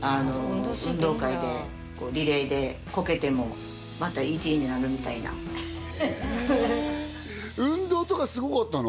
運動会でリレーでこけてもまた１位になるみたいな運動とかすごかったの？